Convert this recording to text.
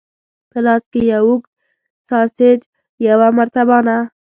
په لاس کې یې یو اوږد ساسیج، یوه مرتبانه.